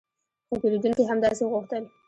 خو پیرودونکي همداسې غوښتل